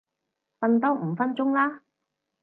瞓多五分鐘啦